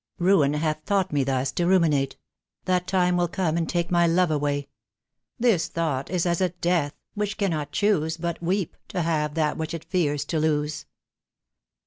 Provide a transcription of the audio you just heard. "Ruin hath taught me thus to ruminate, That time will come and take my love away. This thought is as a death, which cannot choose But weep to have that which it fears to lose."